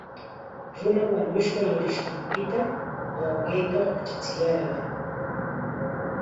Nuna wañushqa yurinqanpita wawqiita huchachiyarqan.